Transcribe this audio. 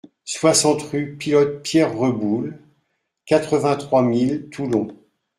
soixante rue Pilote Pierre Reboul, quatre-vingt-trois mille Toulon